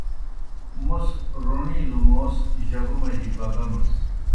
موْس روݨِیلوْ موس جگو مجیْ بگَمَس۔